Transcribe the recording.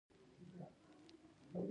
بیا تنور یا داش ښه تودوي د پخولو لپاره.